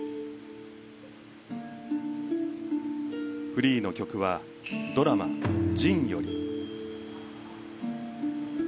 フリーの曲はドラマ「ＪＩＮ−仁−」より。